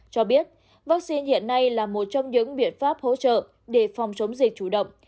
cho biết vaccine hiện nay là một trong những biện pháp hỗ trợ để phòng chống dịch chủ động